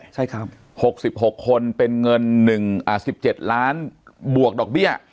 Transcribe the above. ใช่ครับ๖๖คนเป็นเงิน๑๗ล้านบวกดอกเบี้ย